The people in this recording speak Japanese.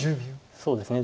そうですね。